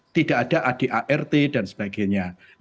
yang kedua adalah tipologi supporter yang berkembang by structure